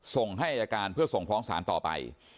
ส่งให้อายการเพื่อส่งฟ้องศาลต่อไป